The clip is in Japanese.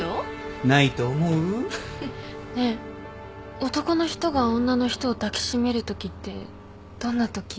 ねえ男の人が女の人を抱き締めるときってどんなとき？